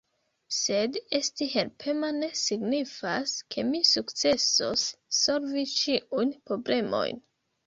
Sed esti helpema ne signifas, ke mi sukcesos solvi ĉiujn problemojn.